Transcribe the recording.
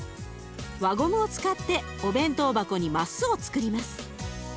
輪ゴムを使ってお弁当箱にマスをつくります。